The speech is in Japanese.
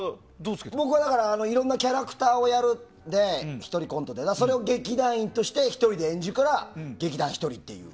僕はいろんなキャラクターをやるので１人コントでそれを劇団員として１人で演じるから劇団ひとり。